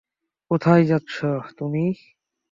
কোথায় যাচ্ছ তুমি?